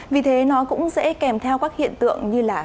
vì thế nó cũng sẽ kèm theo các hiện tượng như là